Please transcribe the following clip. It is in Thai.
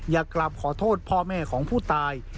อยากกลับขอโทษพ่อแม่ของผู้ตาย